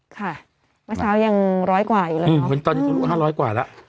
ค่ะมาเช้ายังร้อยกว่าอยู่แล้วอืมเป็นตอนนี้ทะลุห้าร้อยกว่าแล้ว